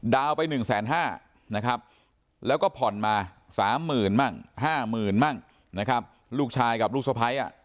ดาวไป๑๕๐๐บาทแล้วก็ผ่อนมา๓๐๐๐บาทหรือ๕๐๐๐บาทลูกชายกับลูกสภัย